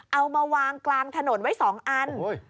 เอามาวางกลางถนนไว้๒อัน